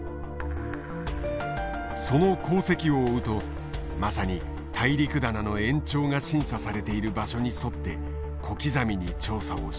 その航跡を追うとまさに大陸棚の延長が審査されている場所に沿って小刻みに調査をしていた。